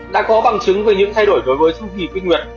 đã có bằng chứng về những thay đổi đối với chu kỳ kinh nguyệt